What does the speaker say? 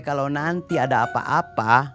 kalau nanti ada apa apa